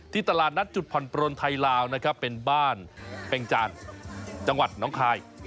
ตลาดนัดจุดผ่อนปลนไทยลาวนะครับเป็นบ้านเป็งจานจังหวัดน้องคาย